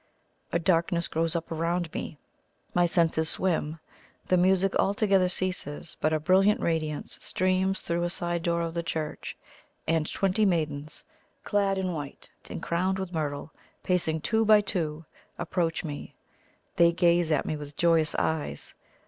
A darkness grows up around me; my senses swim. The music altogether ceases; but a brilliant radiance streams through a side door of the church, and twenty maidens, clad in white and crowned with myrtle, pacing two by two, approach me. They gaze at me with joyous eyes.